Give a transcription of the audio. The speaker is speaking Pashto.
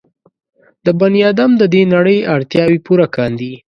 د بني ادم د دې نړۍ اړتیاوې پوره کاندي.